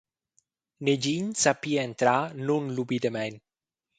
Negin sa pia entrar nunlubidamein.